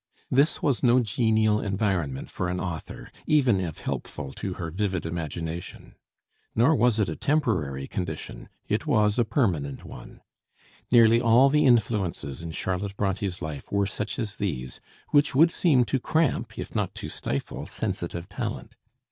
This was no genial environment for an author, even if helpful to her vivid imagination. Nor was it a temporary condition; it was a permanent one. Nearly all the influences in Charlotte Bronté's life were such as these, which would seem to cramp if not to stifle sensitive talent.